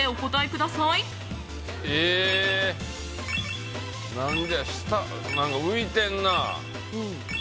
下、何か浮いてんな。